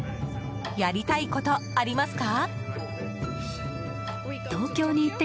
やりたいことありますか？